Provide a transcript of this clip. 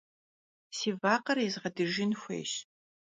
Si vakher yêzğedıjjın xuêyş.